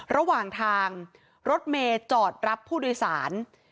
ระหว่างทางรถเมย์จอดรับผู้โดยสาร